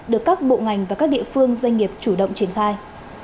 được các bộ ngành và các địa phương doanh nghiệp chủ động triển khai